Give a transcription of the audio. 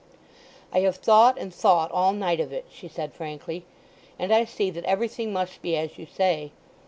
"I have thought and thought all night of it," she said frankly. "And I see that everything must be as you say.